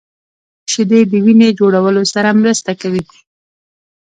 شیدې د وینې جوړولو سره مرسته کوي